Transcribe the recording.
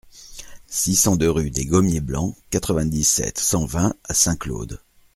six cent deux rue des Gommiers Blancs, quatre-vingt-dix-sept, cent vingt à Saint-Claude